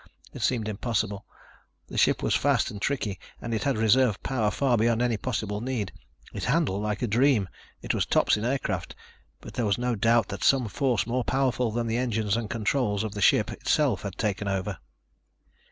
It seemed impossible. That ship was fast and tricky and it had reserve power far beyond any possible need. It handled like a dream ... it was tops in aircraft. But there was no doubt that some force more powerful than the engines and controls of the ship itself had taken over.